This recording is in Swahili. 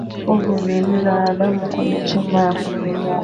Povu lililo na damu kwenye chemba ya kupumua